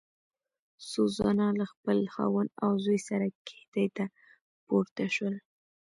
سوزانا له خپل خاوند او زوی سره کښتۍ ته پورته شول.